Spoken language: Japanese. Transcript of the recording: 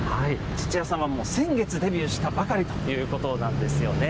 土屋さんは、先月デビューしたばかりということなんですよね。